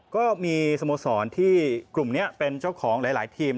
ก็มีสโมสรที่กลุ่มนี้เป็นเจ้าของหลายทีม